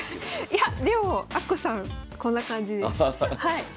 いやでもあっこさんこんな感じです。